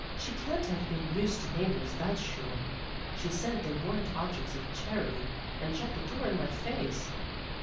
" She can't have been used to neighbors, that's sure. She said they weren't objects of charity, and shut the door in my face."